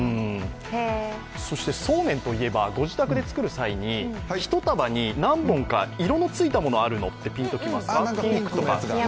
そうめんといえば、ご自宅で作る際に１束に何本か色のついたものあるのって、ピンときますか。